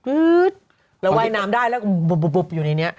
เราว่ายน้ำได้แล้วก็บุบอยู่ในนี้